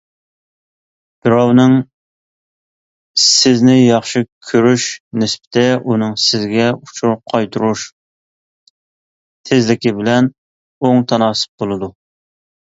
بىراۋنىڭ سىزنى ياخشى كۆرۈش نىسبىتى ئۇنىڭ سىزگە ئۇچۇر قايتۇرۇش تېزلىكى بىلەن ئوڭ تاناسىپ بولىدۇ.